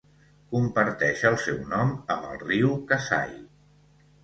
Comparteix el seu nom amb el Riu Kasai.